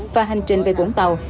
và hành trình về vũng tàu